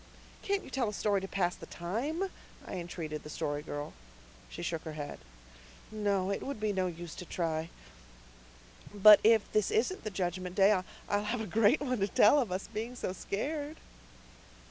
"Can't you tell us a story to pass the time?" I entreated the Story Girl. She shook her head. "No, it would be no use to try. But if this isn't the Judgment Day I'll have a great one to tell of us being so scared."